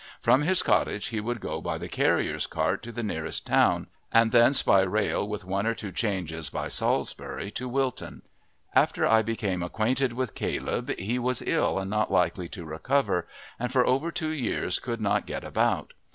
From his cottage he would go by the carrier's cart to the nearest town, and thence by rail with one or two changes by Salisbury to Wilton. After I became acquainted with Caleb he was ill and not likely to recover, and for over two years could not get about.